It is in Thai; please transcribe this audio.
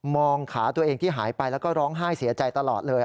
งขาตัวเองที่หายไปแล้วก็ร้องไห้เสียใจตลอดเลย